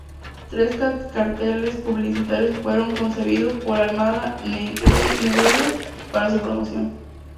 Tres carteles publicitarios fueron concebidos por Almada Negreiros para su promoción.